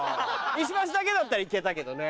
石橋だけだったら行けたけどね